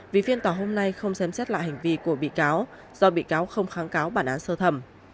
vì phiên tòa hôm nay không xem xét lại hành vi của bị cáo do bị cáo không kháng cáo bản án sơ thẩm